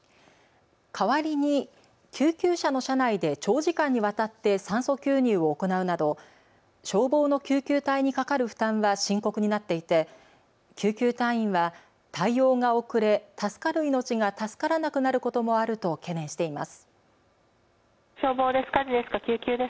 代わりに救急車の車内で長時間にわたって酸素吸入を行うなど消防の救急隊にかかる負担は深刻になっていて救急隊員は対応が遅れ、助かる命が助からなくなることもあると懸念しています。